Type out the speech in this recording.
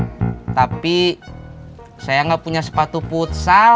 hai tapi saya enggak punya sepatu futsal